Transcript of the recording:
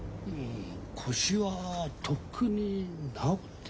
腰はとっくに治ってます。